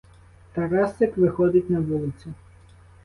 Тарасик виходить на вулицю.